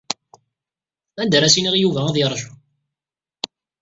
Anda ara as-iniɣ i Yuba ad yeṛju?